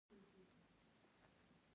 ستا په غاړه کي مي لاس وو اچولی